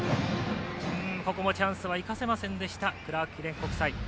ここもチャンスは生かせませんでしたクラーク記念国際。